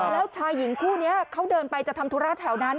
แล้วชายหญิงคู่นี้เขาเดินไปจะทำธุระแถวนั้น